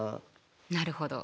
なるほど。